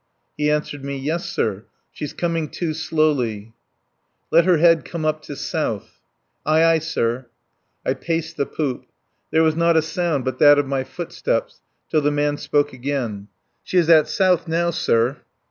He answered me. "Yes, sir. She's coming to slowly." "Let her head come up to south." "Aye, aye, sir." I paced the poop. There was not a sound but that of my footsteps, till the man spoke again. "She is at south now, sir."